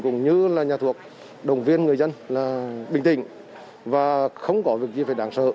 cũng như là nhà thuộc động viên người dân là bình tĩnh và không có việc gì phải đáng sợ